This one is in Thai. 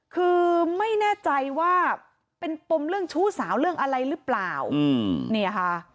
คือไม่แน่ใจว่าเป็นปมเรื่องชู้สาวเรื่องอะไรหรือเปล่าเนี่ยค่ะ